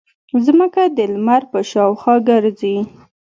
ځمکه د لمر په شاوخوا ګرځي.